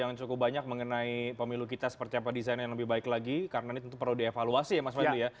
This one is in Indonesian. yang cukup banyak mengenai pemilu kita seperti apa desain yang lebih baik lagi karena ini tentu perlu dievaluasi ya mas fadli ya